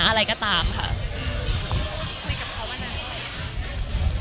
มันคิดว่าจะเป็นรายการหรือไม่มี